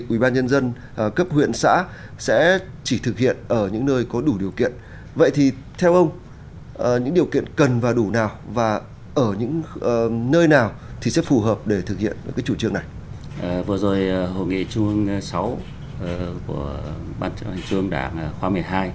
vừa rồi hội nghị trung ương sáu của ban chấp hành trung ương đảng khóa một mươi hai